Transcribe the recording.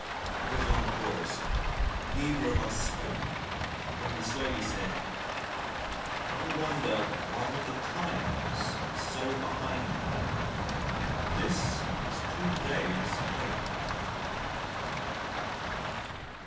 There was a long pause. Neither of us spoke. Then he slowly said: "I wonder why The Times is so behindhand. This is two days late."